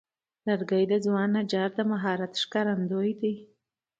لرګی د ځوان نجار د مهارت ښکارندوی دی.